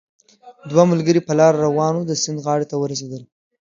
دوه ملګري په لاره روان وو، د سیند غاړې ته ورسېدل